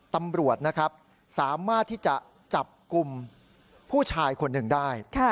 ตำรวจนะครับสามารถที่จะจับกลุ่มผู้ชายคนหนึ่งได้